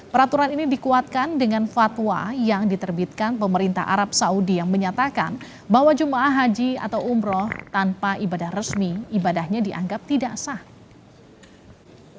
peraturan ini dikuatkan dengan fatwa yang diterbitkan pemerintah arab saudi yang menyatakan bahwa jemaah haji atau umroh tanpa ibadah resmi ibadahnya dianggap tidak sah